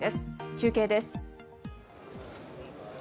中継です。